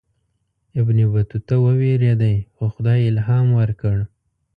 ابن بطوطه ووېرېدی خو خدای الهام ورکړ.